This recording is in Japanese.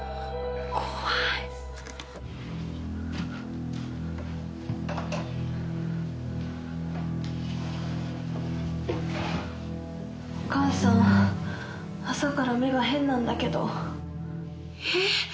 怖いお母さん朝から目が変なんだけどえっ？